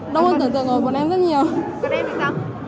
đông hơn tưởng tượng rồi mọi người em rất nhiều